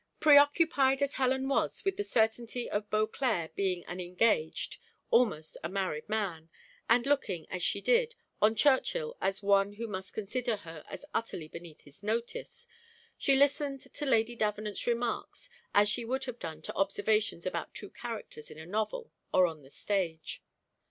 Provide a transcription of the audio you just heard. Preoccupied as Helen was with the certainty of Beauclerc being an engaged, almost a married man, and looking, as she did, on Churchill as one who must consider her as utterly beneath his notice, she listened to Lady Davenant's remarks as she would have done to observations about two characters in a novel or on the stage.